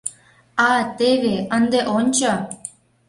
А теве, ынде ончо!